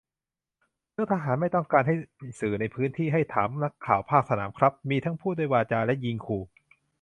เรื่องทหารไม่ต้องการให้สื่ออยู่ในพื้นที่ ให้ถามนักข่าวภาคสนามครับ มีทั้งพูดด้วยวาจา และยิงขู่